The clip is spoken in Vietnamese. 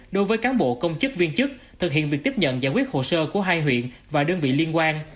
đối với cán bộ công chức viên chức thực hiện việc tiếp nhận giải quyết hồ sơ của hai huyện và đơn vị liên quan